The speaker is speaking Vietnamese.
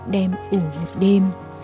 đem ủ một đêm